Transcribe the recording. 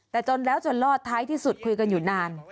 แต่จนแล้วจนรอดท้ายที่สุดคุยกันอยู่นาน